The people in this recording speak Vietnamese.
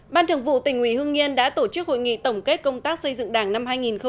ban thường vụ tỉnh hương yên đã tổ chức hội nghị tổng kết công tác xây dựng đảng năm hai nghìn một mươi bảy